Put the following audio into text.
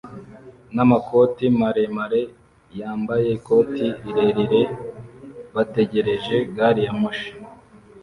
namakoti maremare yambaye ikoti rirerire bategereje gari ya moshi